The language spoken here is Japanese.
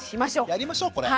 やりましょうこれ。